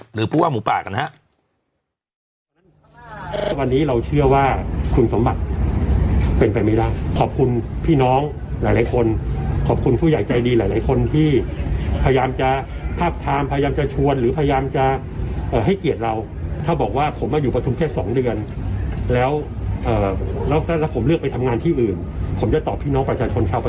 หรือผู้ว่าหมูป่ากันฮะ